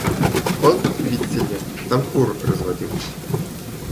Он, видите ли, там кур разводил.